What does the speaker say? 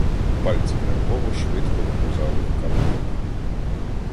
Пальці нервово, швидко вгрузали в кавалок.